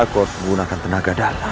aku harus menggunakan tenaga dalam